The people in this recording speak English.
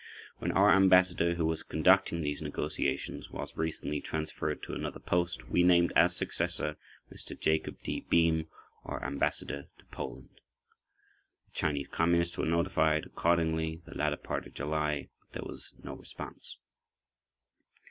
When our Ambassador, who was conducting these negotiations, was recently transferred to another post, we named as successor Mr. [Jacob D.] Beam, our Ambassador to Poland. The Chinese Communists were notified accordingly the latter part of July, but there was no response.